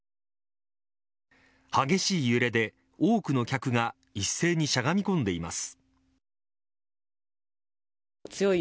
激しい揺れで多くの客が一斉にしゃがみ込んでいます。